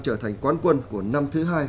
trở thành quán quân của năm thứ hai